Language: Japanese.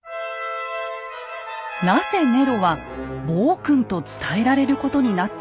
なぜネロは暴君と伝えられることになったのか。